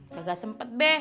kagak sempet be